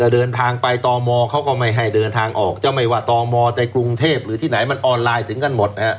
เดินทางไปต่อมอเขาก็ไม่ให้เดินทางออกจะไม่ว่าตมในกรุงเทพหรือที่ไหนมันออนไลน์ถึงกันหมดนะฮะ